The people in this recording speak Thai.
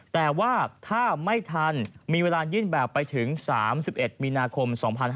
แต่ว่าถ้าไม่ทันมีเวลายื่นแบบไปถึง๓๑มีนาคม๒๕๕๙